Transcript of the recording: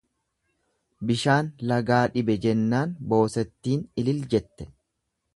Bishaan lagaa dhibe jennaan boosettiin ilil jette.